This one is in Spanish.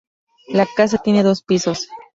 La casa tiene dos pisos.